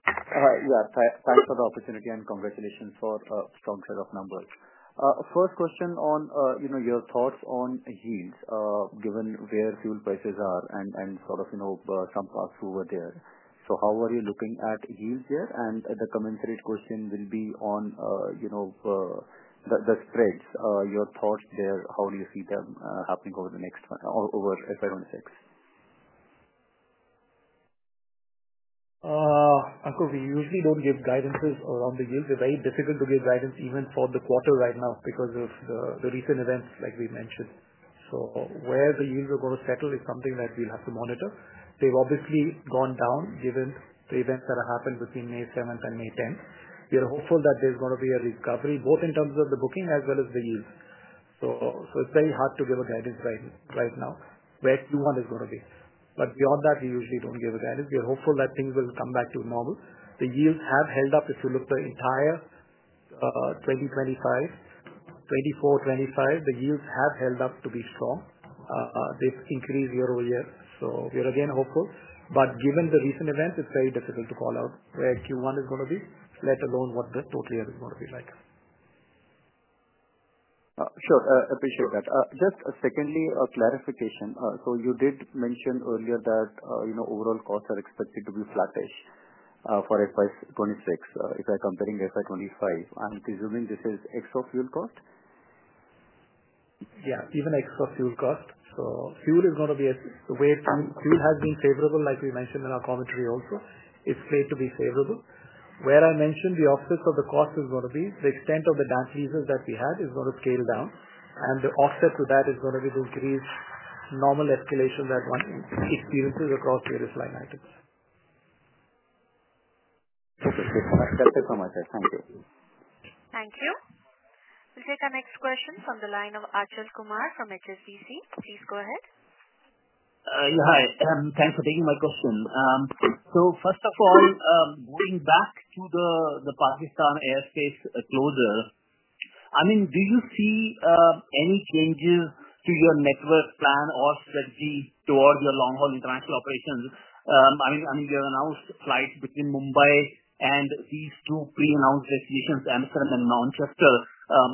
Yeah. Thanks for the opportunity again. Congratulations for a strong set of numbers. First question on your thoughts on yields, given where fuel prices are and sort of some paths over there. How are you looking at yields there? The commensurate question will be on the spreads. Your thoughts there, how do you see them happening over the next FY 2026? Ankur, we usually do not give guidances around the yield. It is very difficult to give guidance even for the quarter right now because of the recent events like we mentioned. Where the yields are going to settle is something that we will have to monitor. They have obviously gone down given the events that have happened between May 7th and May 10th. We are hopeful that there is going to be a recovery both in terms of the booking as well as the yield. It is very hard to give a guidance right now where Q1 is going to be. Beyond that, we usually do not give a guidance. We are hopeful that things will come back to normal. The yields have held up. If you look at the entire 2024, 2025, the yields have held up to be strong. They have increased year- over-year. We are again hopeful. Given the recent events, it is very difficult to call out where Q1 is going to be, let alone what the total year is going to be like. Sure. Appreciate that. Just secondly, a clarification. You did mention earlier that overall costs are expected to be flattish for FY 2026. If we are comparing FY 2025, I am presuming this is ex-off fuel cost? Yeah. Even ex-off fuel cost. Fuel is going to be a way to fuel has been favorable, like we mentioned in our commentary also. It has played to be favorable. Where I mentioned the offset of the cost is going to be, the extent of the damp leases that we had is going to scale down. The offset to that is going to be the increased normal escalation that one experiences across various line items. Okay. That's it from my side. Thank you. Thank you. We'll take our next question from the line of Achal Kumar from HSBC. Please go ahead. Yeah. Hi. Thanks for taking my question. First of all, going back to the Pakistan airspace closure, I mean, do you see any changes to your network plan or strategy towards your long-haul international operations? I mean, you have announced flights between Mumbai and these two pre-announced destinations, Amsterdam and Manchester,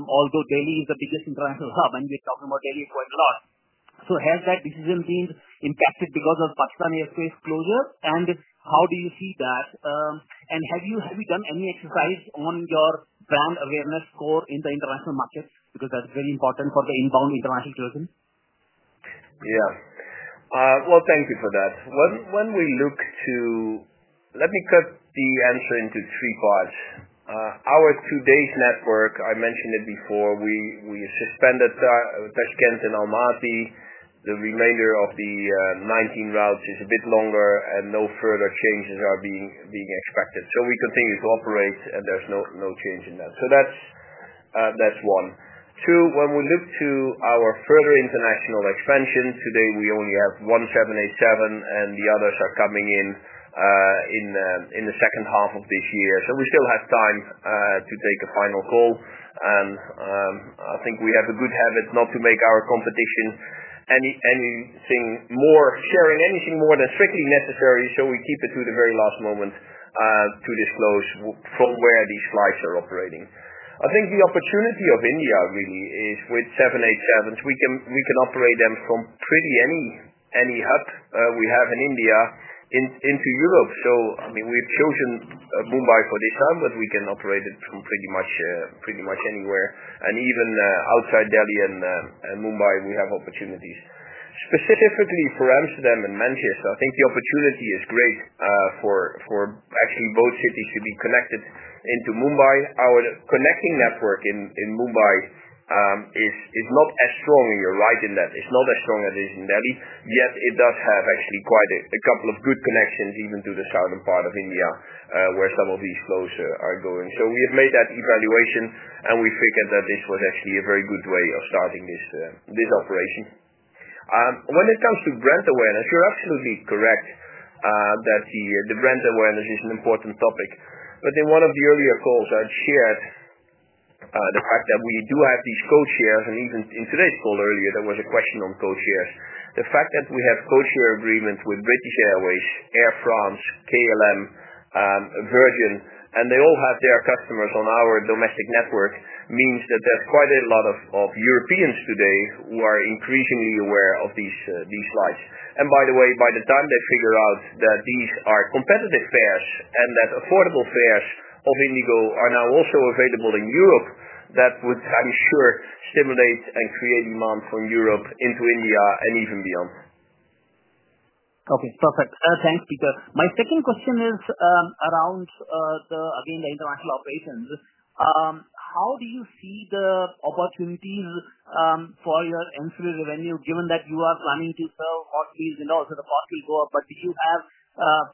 although Delhi is the biggest international hub, and we're talking about Delhi quite a lot. Has that decision been impacted because of Pakistan airspace closure? How do you see that? Have you done any exercise on your brand awareness score in the international markets? Because that is very important for the inbound international tourism. Thank you for that. When we look to, let me cut the answer into three parts. Our two-day network, I mentioned it before, we suspended Tashkent and Almaty. The remainder of the 19 routes is a bit longer, and no further changes are being expected. We continue to operate, and there is no change in that. That is one. Two, when we look to our further international expansion, today we only have one 787, and the others are coming in in the second half of this year. We still have time to take a final call. I think we have a good habit not to make our competition anything more, sharing anything more than strictly necessary. We keep it to the very last moment to disclose from where these flights are operating. I think the opportunity of India really is with 787s. We can operate them from pretty much any hub we have in India into Europe. I mean, we've chosen Mumbai for this hub, but we can operate it from pretty much anywhere. Even outside Delhi and Mumbai, we have opportunities. Specifically for Amsterdam and Manchester, I think the opportunity is great for actually both cities to be connected into Mumbai. Our connecting network in Mumbai is not as strong. You're right in that. It's not as strong as it is in Delhi. Yet it does have actually quite a couple of good connections even to the southern part of India where some of these flows are going. We have made that evaluation, and we figured that this was actually a very good way of starting this operation. When it comes to brand awareness, you're absolutely correct that the brand awareness is an important topic. In one of the earlier calls, I'd shared the fact that we do have these codeshares. Even in today's call earlier, there was a question on codeshares. The fact that we have codeshare agreements with British Airways, Air France, KLM, Virgin Atlantic, and they all have their customers on our domestic network means that there's quite a lot of Europeans today who are increasingly aware of these flights. By the way, by the time they figure out that these are competitive fares and that affordable fares of IndiGo are now also available in Europe, that would, I'm sure, stimulate and create demand from Europe into India and even beyond. Okay. Perfect. Thanks, Pieter. My second question is around, again, the international operations. How do you see the opportunities for your ancillary revenue, given that you are planning to sell hot meals and also the cost will go up? Do you have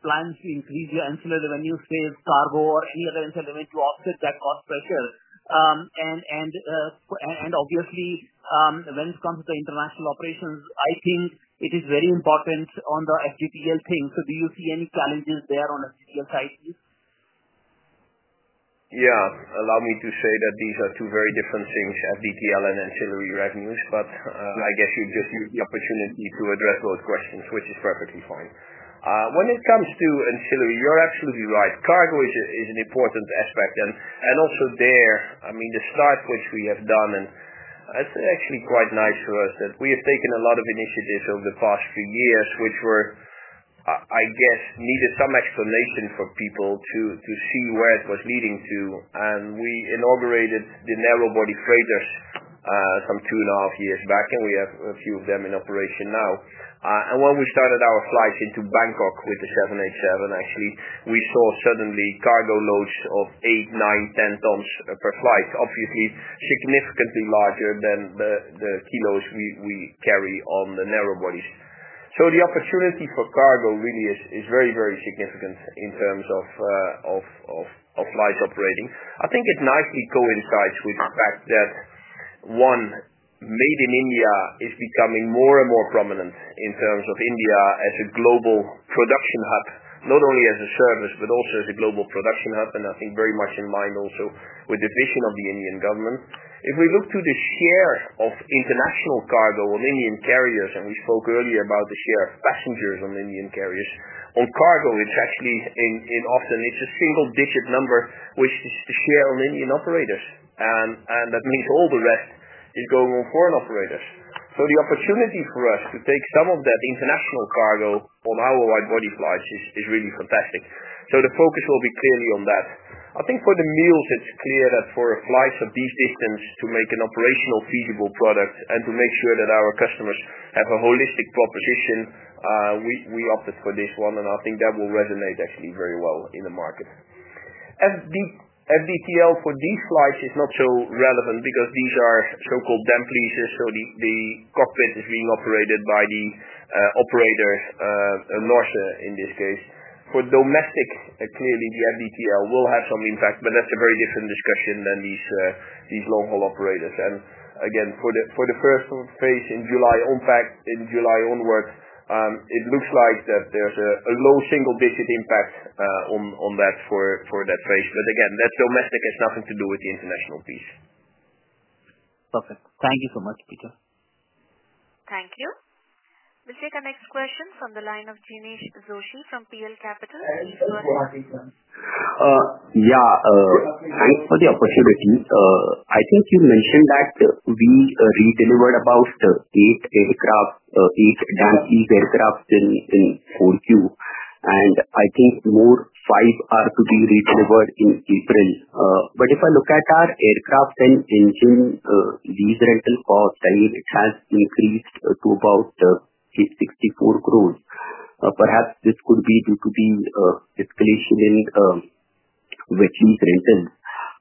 plans to increase your ancillary revenue, say, cargo or any other ancillary revenue to offset that cost pressure? Obviously, when it comes to the international operations, I think it is very important on the FDTL thing. Do you see any challenges there on the FDTL side? Yeah. Allow me to say that these are two very different things, FDTL and ancillary revenues. I guess you just used the opportunity to address both questions, which is perfectly fine. When it comes to ancillary, you're absolutely right. Cargo is an important aspect. I mean, the start which we have done, and it's actually quite nice for us that we have taken a lot of initiatives over the past few years, which were, I guess, needed some explanation for people to see where it was leading to. We inaugurated the narrowbody freighters some two and a half years back, and we have a few of them in operation now. When we started our flights into Bangkok with the 787, actually, we saw suddenly cargo loads of 8, 9, 10 tons per flight, obviously significantly larger than the kilos we carry on the narrowbodies. The opportunity for cargo really is very, very significant in terms of flights operating. I think it nicely coincides with the fact that, one, made in India is becoming more and more prominent in terms of India as a global production hub, not only as a service but also as a global production hub. I think very much in line also with the vision of the Indian government. If we look to the share of international cargo on Indian carriers, and we spoke earlier about the share of passengers on Indian carriers, on cargo, it is actually often a single-digit number, which is the share on Indian operators. That means all the rest is going on foreign operators. The opportunity for us to take some of that international cargo on our wide-body flights is really fantastic. The focus will be clearly on that. I think for the meals, it's clear that for flights of these distance, to make an operational feasible product and to make sure that our customers have a holistic proposition, we opted for this one. I think that will resonate actually very well in the market. FDTL for these flights is not so relevant because these are so-called damp leases. The cockpit is being operated by the operator, Norse in this case. For domestic, clearly, the FDTL will have some impact, but that's a very different discussion than these long-haul operators. Again, for the first phase in July onward, it looks like that there's a low single-digit impact on that for that phase. Again, that domestic has nothing to do with the international piece. Perfect. Thank you so much, Pieter. Thank you. We'll take our next question from the line of Jinesh Joshi from PL Capital. Yeah. Thanks for the opportunity. I think you mentioned that we redelivered about eight damp lease aircraft in Q4. And I think more five are to be redelivered in April. If I look at our aircraft and engine lease rental cost, I mean, it has increased to about 64 crore. Perhaps this could be due to the escalation in lease rentals.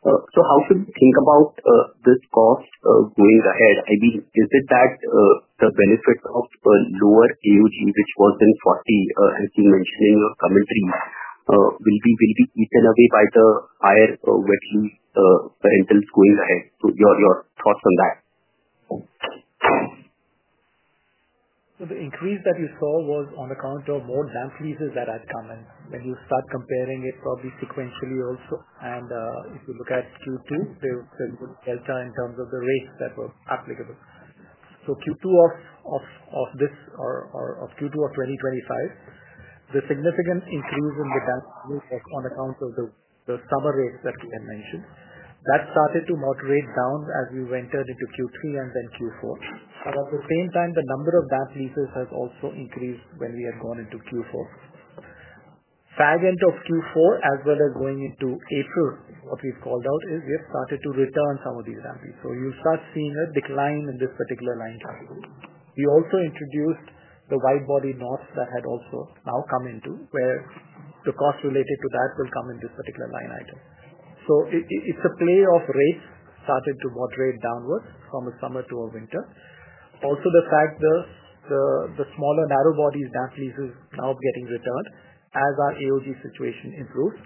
How should we think about this cost going ahead? I mean, is it that the benefit of lower AOG, which was in Q4, as you mentioned in your commentary, will be eaten away by the higher rentals going ahead? Your thoughts on that? The increase that you saw was on account of more damp leases that had come in. When you start comparing it, probably sequentially also. If you look at Q2, there was a delta in terms of the rates that were applicable. Q2 of this or Q2 of 2025, the significant increase in the damp lease was on account of the summer rates that we had mentioned. That started to moderate down as we went into Q3 and then Q4. At the same time, the number of damp leases has also increased when we had gone into Q4. Sag end of Q4, as well as going into April, what we've called out is we have started to return some of these damp leases. You'll start seeing a decline in this particular line item. We also introduced the wide-body NOS that had also now come into, where the cost related to that will come in this particular line item. It's a play of rates started to moderate downwards from a summer to a winter. Also, the fact that the smaller narrowbody damp leases are now getting returned as our AOG situation improves.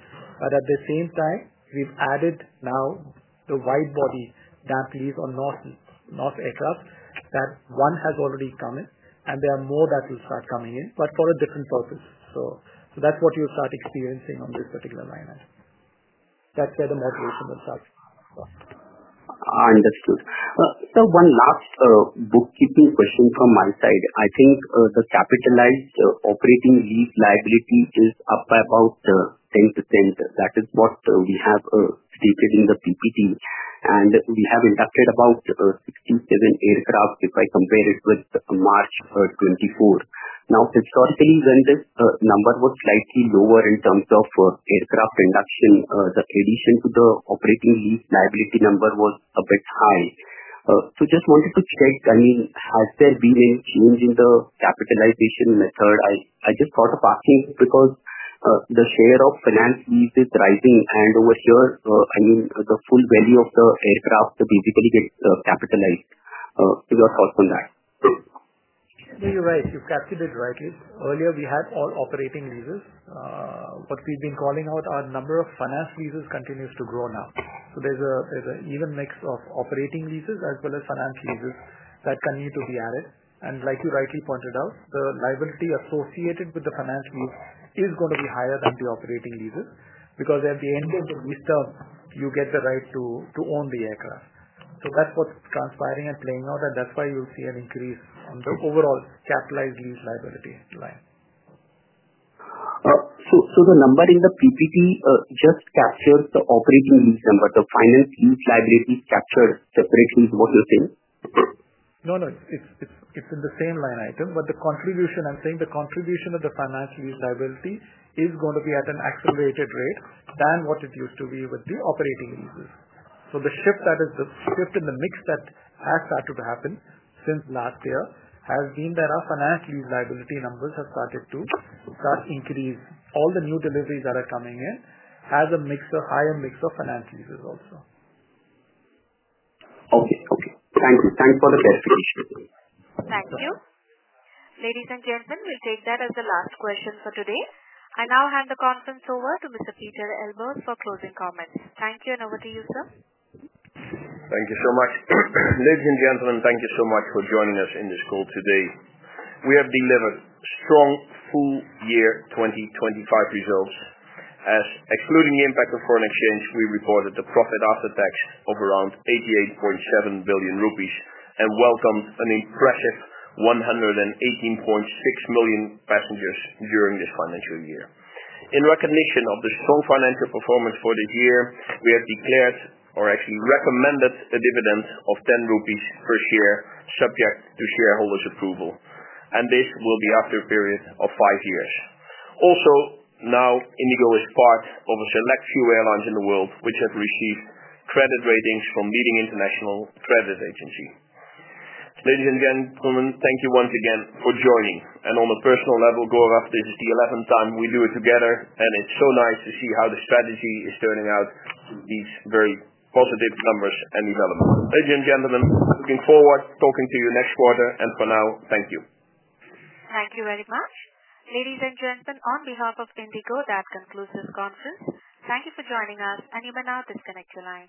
At the same time, we've added now the wide-body damp lease on Norse aircraft. That one has already come in, and there are more that will start coming in, but for a different purpose. That's what you'll start experiencing on this particular line item. That's where the moderation will start. Understood. One last bookkeeping question from my side. I think the capitalized operating lease liability is up by about 10%. That is what we have stated in the PPT. We have inducted about 67 aircraft if I compare it with March 2024. Historically, when this number was slightly lower in terms of aircraft induction, the addition to the operating lease liability number was a bit high. Just wanted to check, I mean, has there been any change in the capitalization method? I just thought of asking because the share of finance lease is rising. Over here, I mean, the full value of the aircraft basically gets capitalized. Your thoughts on that? You're right. You've captured it rightly. Earlier, we had all operating leases. What we've been calling out, our number of finance leases continues to grow now. There's an even mix of operating leases as well as finance leases that continue to be added. Like you rightly pointed out, the liability associated with the finance lease is going to be higher than the operating leases because at the end of the lease term, you get the right to own the aircraft. That's what's transpiring and playing out. That's why you'll see an increase on the overall capitalized lease liability line. The number in the PPT just captured the operating lease number. The finance lease liability captured separately, is what you're saying? No, no. It's in the same line item. The contribution, I'm saying, the contribution of the finance lease liability is going to be at an accelerated rate than what it used to be with the operating leases. The shift, that is the shift in the mix that has started to happen since last year, has been that our finance lease liability numbers have started to increase. All the new deliveries that are coming in have a higher mix of finance leases also. Okay. Okay. Thank you. Thanks for the clarification. Thank you. Ladies and gentlemen, we'll take that as the last question for today. I now hand the conference over to Mr. Pieter Elbers for closing comments. Thank you. And over to you, sir. Thank you so much. Ladies and gentlemen, thank you so much for joining us in this call today. We have delivered strong full-year 2025 results. Excluding the impact of foreign exchange, we reported the profit after tax of around 88.7 billion rupees and welcomed an impressive 118.6 million passengers during this financial year. In recognition of the strong financial performance for this year, we have declared or actually recommended a dividend of 10 rupees per share, subject to shareholders' approval. This will be after a period of five years. Also, now IndiGo is part of a select few airlines in the world which have received credit ratings from leading international credit agencies. Ladies and gentlemen, thank you once again for joining. On a personal level, Gaurav, this is the 11th time we do it together. It is so nice to see how the strategy is turning out to these very positive numbers and developments. Ladies and gentlemen, looking forward to talking to you next quarter. For now, thank you. Thank you very much. Ladies and gentlemen, on behalf of IndiGo, that concludes this conference. Thank you for joining us. You may now disconnect your line.